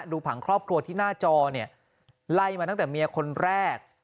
ผังครอบครัวที่หน้าจอเนี่ยไล่มาตั้งแต่เมียคนแรก